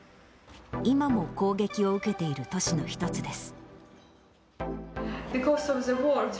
今も攻撃を受けている都市の１つです。